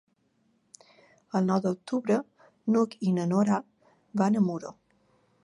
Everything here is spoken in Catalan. El nou d'octubre n'Hug i na Nora van a Muro.